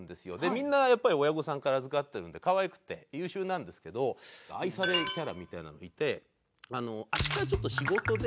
みんなやっぱり親御さんから預かってるので可愛くて優秀なんですけど愛されキャラみたいなのがいて「明日ちょっと仕事で」